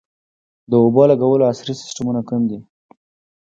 د اوبو لګولو عصري سیستمونه کوم دي؟